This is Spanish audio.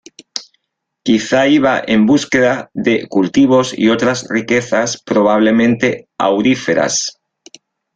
Quizá iban en búsqueda de cultivos y otras riquezas probablemente auríferas.